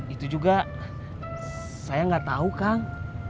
itu juga saya nggak tahu kang